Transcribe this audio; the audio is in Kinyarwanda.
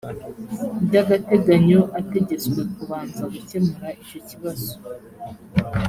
byagateganyo ategetswe kubanza gukemura icyo kibazo